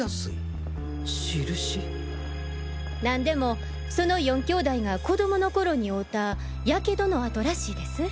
なんでもその４兄弟が子どもの頃に負うた火傷の痕らしいです。